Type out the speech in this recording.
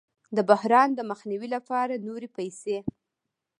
د بحران د مخنیوي لپاره نورې پیسې